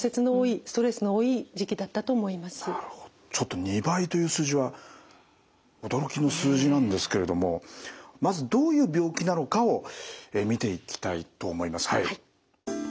ちょっと２倍という数字は驚きの数字なんですけれどもまずどういう病気なのかを見ていきたいと思います。